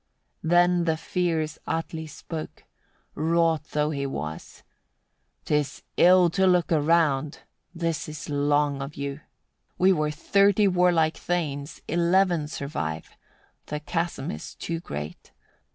51. Then the fierce Atli spoke, wroth though he was: "'Tis ill to look around; this is long of you. We were thirty warlike thanes, eleven survive: the chasm is too great.